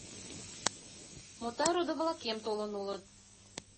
Мотай родо-влакем толын улыт!